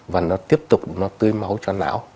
và nó tiếp tục nó tươi máu cho não